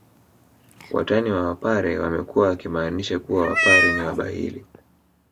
Watani wa wapare wamekuwa wakimaanisha kuwa wapare ni wabahili